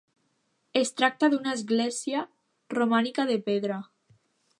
Es tracta d'una església romànica de pedra.